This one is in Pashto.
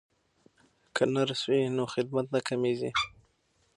که نرس وي نو خدمت نه کمیږي.